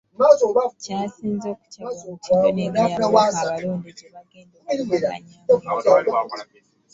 Ky’asinze okutya gwe mutindo n’engeri ababaka abalonde gye bagenda okubaganyaamu ebirowoozo.